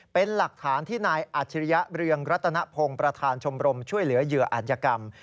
เป็นหลักฐานที่นายอัจฉริยะเรืองรัตนพงศ์ประธานชมรมช่วยเหลือเหยื่ออัธยกรรม